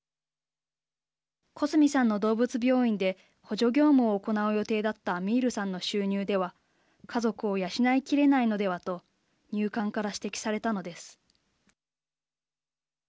小澄さんの動物病院で補助業務を行う予定だったアミールさんの収入では家族を養いきれないのではと入管から指摘されたのです。